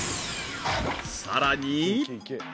［さらに］